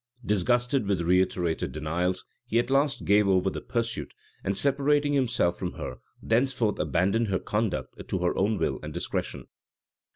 Disgusted with reiterated denials, he at last gave over the pursuit, and separating himself from her, thenceforth abandoned her conduct to her own will and discretion.